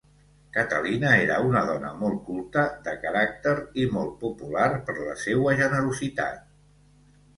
Catalina era una dona molt culta, de caràcter, i molt popular per la seua generositat.